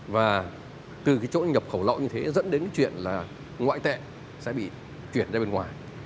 và từ chỗ nhập khẩu lậu như thế dẫn đến chuyện ngoại tệ sẽ bị chuyển ra bên ngoài